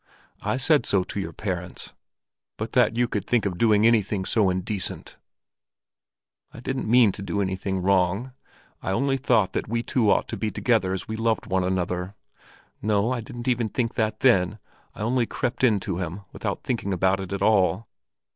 I said so to your parents. But that you could think of doing anything so indecent!" "I didn't mean to do anything wrong. I only thought that we two ought to be together as we loved one another. No, I didn't even think that then. I only crept in to him, without thinking about it at all.